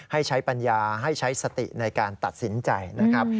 ให้ใช้ปัญญาให้ใช้สติในการตัดสินใจนะครับ